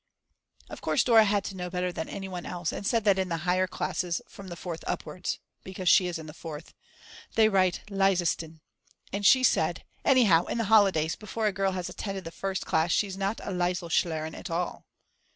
Of course Dora had to know better than anyone else, and said that in the higher classes from the fourth upwards (because she is in the fourth) they write "Lyzeistin." She said: "Anyhow, in the holidays, before a girl has attended the first class she's not a Lyzealschulerin at all."